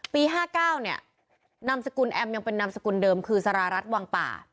๕๙เนี่ยนามสกุลแอมยังเป็นนามสกุลเดิมคือสารารัฐวังป่า